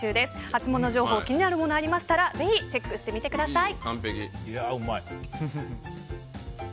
ハツモノ情報気になるものがありましたらぜひチェックしてみてください。